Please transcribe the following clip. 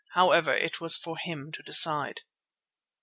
However, it was for him to decide.